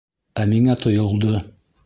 Ә миңә тойолдо...